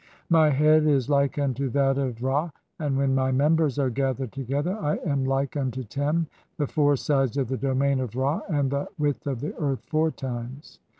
My head is like unto that of "Ra, and [when my members are] gathered together [I am] like "unto Tem ; the four [sides of the domain] of Ra, (10) and the "width of the earth four times.